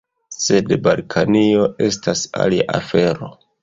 Sed Balkanio estas alia afero.